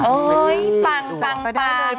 เอ๊ยฟังจังฟัง